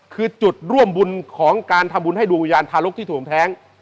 คือจุดร่วมบุญของการทำบุญให้ดวงวิญญาณทารกที่ถูกแท้ง